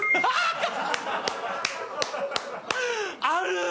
ある！